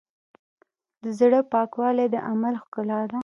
د زړۀ پاکوالی د عمل ښکلا ده.